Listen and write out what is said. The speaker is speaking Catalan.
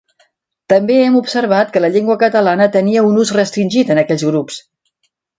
També hem observat que la llengua catalana tenia un ús restringit en aquells grups.